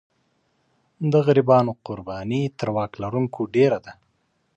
د غریبانو قرباني تر واک لرونکو ډېره ده.